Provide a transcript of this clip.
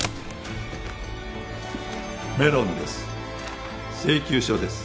メロンです。